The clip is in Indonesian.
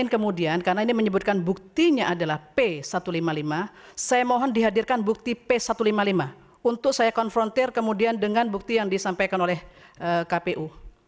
kemudian karena ini menyebutkan buktinya adalah p satu ratus lima puluh lima saya mohon dihadirkan bukti p satu ratus lima puluh lima untuk saya konfrontir kemudian dengan bukti yang disampaikan oleh kpu